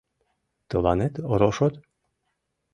Тыланет рошот?..